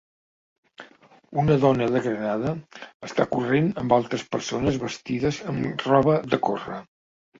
una dona de granada està corrent amb altres persones vestides amb roba de córrer